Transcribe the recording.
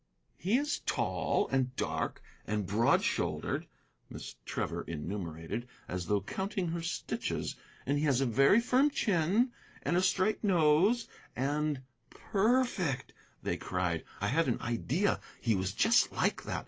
"He is tall, and dark, and broad shouldered," Miss Trevor enumerated, as though counting her stitches, "and he has a very firm chin, and a straight nose, and " "Perfect!" they cried. "I had an idea he was just like that.